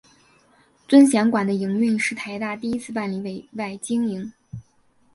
尊贤馆的营运是台大第一次办理委外经营。